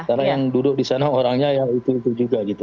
karena yang duduk disana orangnya ya itu itu juga gitu